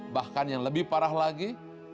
bahkan yang lebih parah lagi